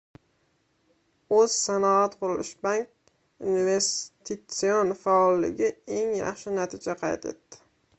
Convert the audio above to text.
O‘zsanoatqurilishbank investitsion faolligi eng yaxshi natija qayd etdi